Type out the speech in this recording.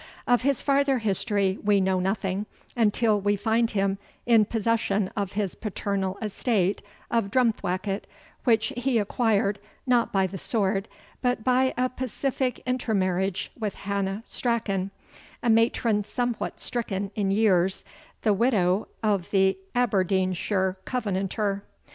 Of his farther history we know nothing, until we find him in possession of his paternal estate of Drumthwacket, which he acquired, not by the sword, but by a pacific intermarriage with Hannah Strachan, a matron somewhat stricken in years, the widow of the Aberdeenshire Covenanter.